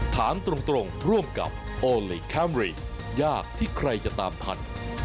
ถามตรงร่วมกับโอลี่คัมรี่ยากที่ใครจะตามทัน